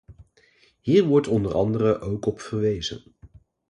Hier wordt onder andere ook op verwezen.